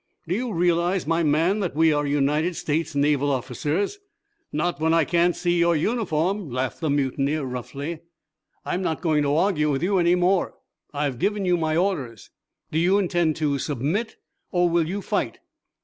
"Do you realize, my man, that we are United States Naval officers?" "Not when I can't see your uniform," laughed the mutineer, roughly. "I'm not going to argue with you any more. I've given you my orders. Do you intend to submit, or will you fight?"